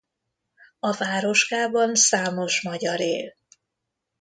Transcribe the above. A városkában számos magyar él.